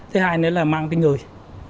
thứ hai nữa là mang cái người